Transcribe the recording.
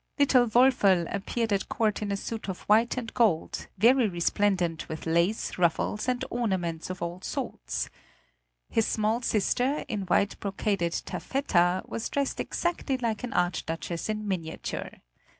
Little Woferl appeared at court in a suit of white and gold, very resplendent with lace, ruffles, and ornaments of all sorts. His small sister, in white brocaded taffeta, was dressed exactly like an archduchess in miniature.